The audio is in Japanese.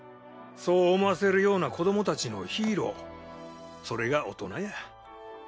そう思わせるような子どもたちのヒーローそれが大人や。